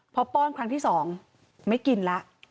พอป้อนครั้งที่๒ไม่กินแล้ว